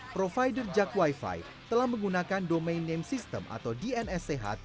provider jak wifi telah menggunakan domain name system atau dns sehat